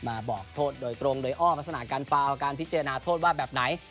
มาบอกโทษโดยตรงโดยอ้อมลักษณะการฟาวการพิจารณาโทษว่าแบบไหน